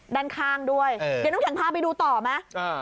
ด้านข้างด้วยเดี๋ยวน้ำแข็งพาไปดูต่อไหม